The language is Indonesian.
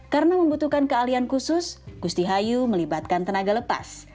karena membutuhkan kealian khusus gusti hayu melibatkan tenaga lepas